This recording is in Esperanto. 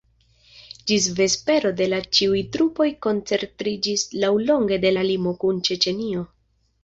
Ĝis vespero de la ĉiuj trupoj koncentriĝis laŭlonge de la limo kun Ĉeĉenio.